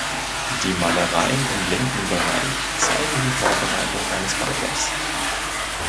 Die Malereien im linken Bereich zeigen die Vorbereitung eines Banketts.